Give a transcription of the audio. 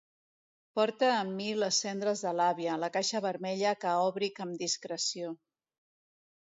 Porte amb mi les cendres de l'àvia, la caixa vermella que òbric amb discreció.